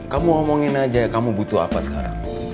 kamu omongin aja kamu butuh apa sekarang